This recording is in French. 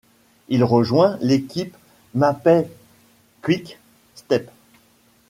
Il rejoint l'équipe Mapei-Quick Step.